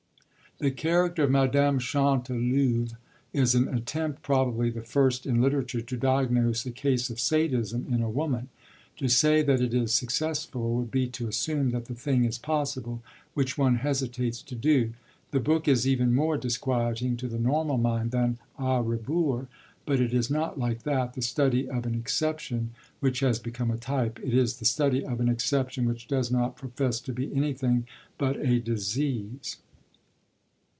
The character of Madame Chantelouve is an attempt, probably the first in literature, to diagnose a case of Sadism in a woman. To say that it is successful would be to assume that the thing is possible, which one hesitates to do. The book is even more disquieting, to the normal mind, than A Rebours. But it is not, like that, the study of an exception which has become a type. It is the study of an exception which does not profess to be anything but a disease.